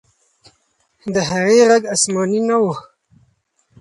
د هغې ږغ آسماني نه و.